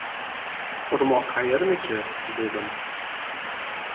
— Xurmo qayerniki? — dedim.